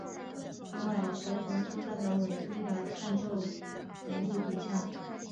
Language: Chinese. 另外协同作战的伪军的战斗能力低下。